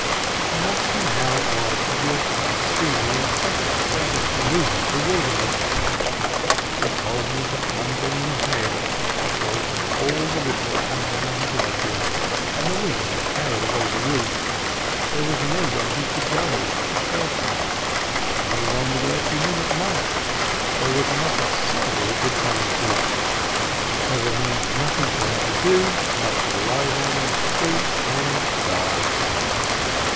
I asked him how it was he had come to me in such a state of gloom and bewilder ment ? He told me the thunder and the hail had broken all the window panes in his lodging, and the wind had carried away the roof, there was nowhere he could go for shelter; nobody would let him in at night; there was not a soul he could turn to, there remained nothing for him but to lie down in the street and die.